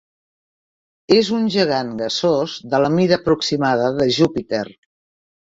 És un gegant gasós de la mida aproximada de Júpiter.